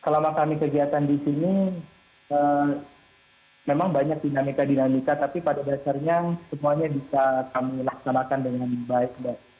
selama kami kegiatan di sini memang banyak dinamika dinamika tapi pada dasarnya semuanya bisa kami laksanakan dengan baik mbak